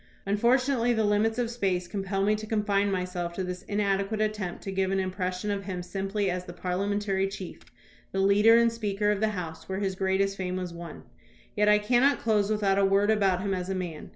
Unfortunately, the limits of space compel me to confine myself to this inadequate attempt to give an impression of him simply as the parliamentary chief, the leader and Speaker of the House, where his greatest fame was won. Yet I can not close without a word about him as a man.